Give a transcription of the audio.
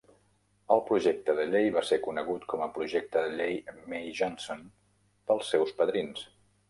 El projecte de llei va ser conegut com a Projecte de llei May-Johnson pels seus padrins.